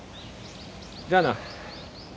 じゃあな。